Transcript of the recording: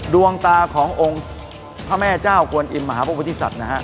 ดวงตาขององค์พระแม่เจ้ากวนอิมมหาพฤษฎิษัทธ์นะฮะ